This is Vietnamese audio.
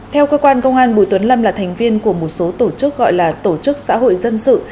theo cơ quan công an bùi tuấn lâm là thành viên của một số tổ chức gọi là tổ chức xã hội dân sự